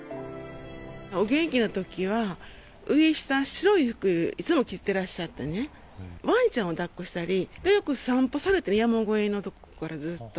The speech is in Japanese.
お元気なときは、上下白い服をいつも着てらっしゃってね、わんちゃんをだっこしたり、よく散歩されたり、山越えの所からずっと。